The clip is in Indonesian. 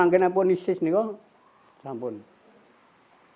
kalau sudah isis itu tidak akan terpengandap